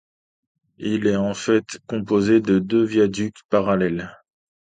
Il est en fait composé de deux viaducs parallèles.